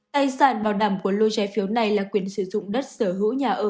tài sản bảo đảm của lô trái phiếu này là quyền sử dụng đất sở hữu nhà ở